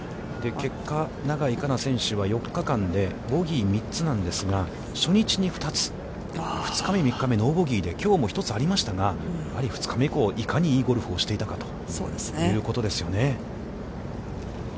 結果、永井花奈選手は、４日間で、ボギー３つなんですが、初日に２つ、２日目３日目ノーボギーで、きょうも１つありましたが、やはり２日目以降、いかにいいゴルフをしていたかということですよね。